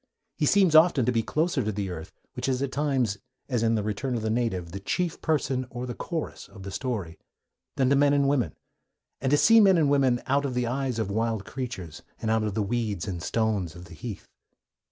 He seems often to be closer to the earth (which is at times, as in The Return of the Native, the chief person, or the chorus, of the story) than to men and women, and to see men and women out of the eyes of wild creatures, and out of the weeds and stones of the heath.